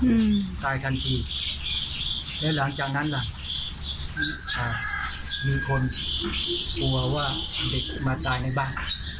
อืมตายทันทีแล้วหลังจากนั้นล่ะอ่ามีคนกลัวว่าเด็กจะมาตายในบ้าน